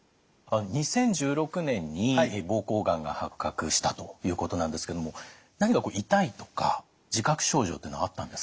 ２０１６年に膀胱がんが発覚したということなんですけども何か痛いとか自覚症状っていうのはあったんですか？